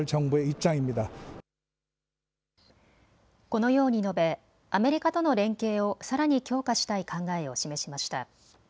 このように述べアメリカとの連携連携をさらに強化したい考えを示しました。